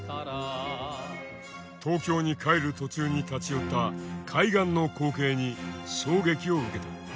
東京に帰る途中に立ち寄った海岸の光景に衝撃を受けた。